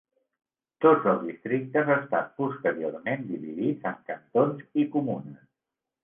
Tots els districtes estan posteriorment dividits en cantons i comunes.